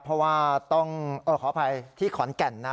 เพราะว่าต้องขออภัยที่ขอนแก่นนะ